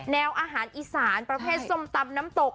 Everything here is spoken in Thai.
อาหารอีสานประเภทส้มตำน้ำตก